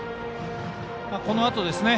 このあとですね